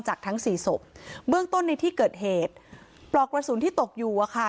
ทั้งสี่ศพเบื้องต้นในที่เกิดเหตุปลอกกระสุนที่ตกอยู่อะค่ะ